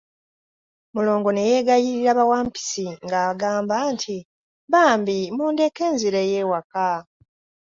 Mulongo ne yeegayirira bawampisi ng'agamba nti, bambi mundeke nzireyo ewaka.